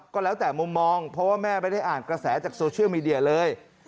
ก็แล้วแต่มุมมองเพราะว่าแม่ไม่ได้อ่านกระแสจากโซเชียลมีเดียเลย